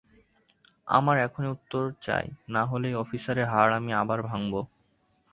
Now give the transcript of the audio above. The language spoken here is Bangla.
আমার এখনই উত্তর চাই নাহলে এই অফিসারের হাড় আমি আবার ভাঙব।